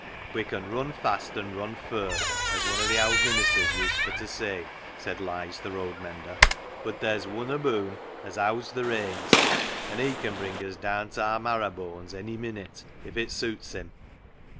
" We con run fast and run fur, as wun o' th' owd ministers used for t' say," said Lige, the road mender, " bud theer's Wun aboon as 'owds th' reins, and He can bring us daan ta aar marraboanes ony minnit, if it suits Him."